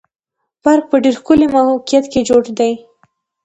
پارک په ډېر ښکلي موقعیت کې جوړ دی.